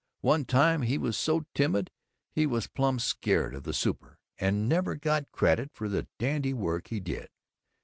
One time he was so timid he was plumb scared of the Super, and never got credit for the dandy work he did.